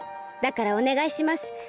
だからおねがいします。